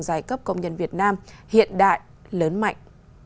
giai cấp công nhân việt nam hiện đại lớn mạnh